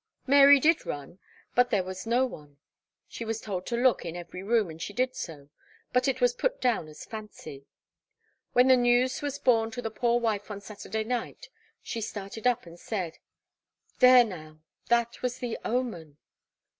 Mary did run, but there was no one. She was told to look in every room, and she did so, and it was put down as fancy. When the news was borne to the poor wife on Saturday night, she started up and said, "There now, that was the omen!"'